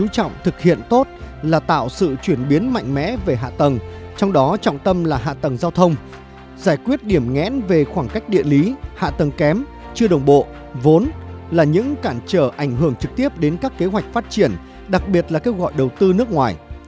xin chào và hẹn gặp lại các bạn trong những video tiếp theo